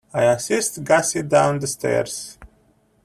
I assisted Gussie down the stairs.